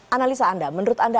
analisa anda menurut anda